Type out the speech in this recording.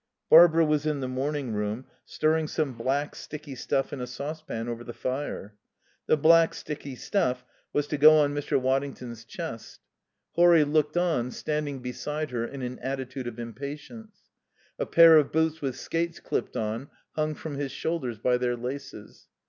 Barbara was in the morning room, stirring some black, sticky stuff in a saucepan over the fire. The black, sticky stuff was to go on Mr. Waddington's chest. Horry looked on, standing beside her in an attitude of impatience. A pair of boots with skates clipped on hung from his shoulders by their laces.